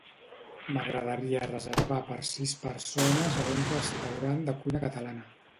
M'agradaria reservar per sis persones a un restaurant de cuina catalana.